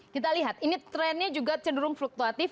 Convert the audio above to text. kita lihat ini trennya juga cenderung fluktuatif